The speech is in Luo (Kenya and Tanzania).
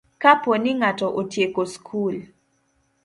Kapo ni ng'ato otieko skul